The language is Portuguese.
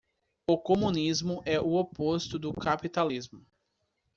O comunismo é o oposto do capitalismo.